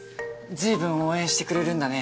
ずいぶん応援してくれるんだね。